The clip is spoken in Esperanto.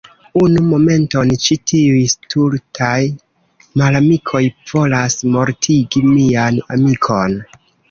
Unu momenton, ĉi tiuj stultaj malamikoj volas mortigi mian amikon.